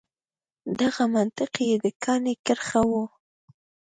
دغه منطق یې د کاڼي کرښه وه.